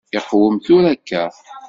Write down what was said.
Iqwem tura akka?